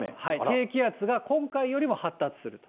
低気圧が今回よりも発達すると。